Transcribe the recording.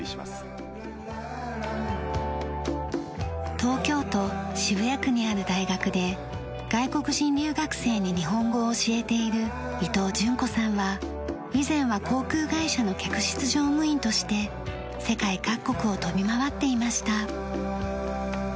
東京都渋谷区にある大学で外国人留学生に日本語を教えている伊藤順子さんは以前は航空会社の客室乗務員として世界各国を飛び回っていました。